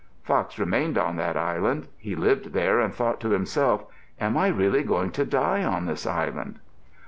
Fox remained on that island. He lived there and thought to himself, "Am I really going to die on this island?"